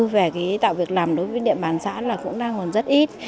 về cái tạo việc làm đối với địa bàn xã là cũng đang còn rất ít